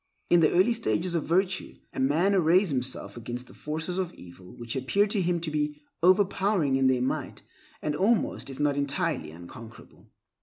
In the early stages of virtue, a man arrays himself against the forces of evil which appear to him to be overpowering in their might, and almost, if not entirely, unconquerable.